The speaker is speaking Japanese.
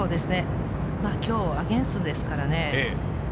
今日、アゲンストですからね。